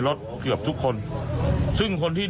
โทรศัพที่ถ่ายคลิปสุดท้าย